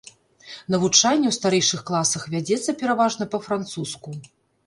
Навучанне ў старэйшых класах вядзецца пераважна па-французску.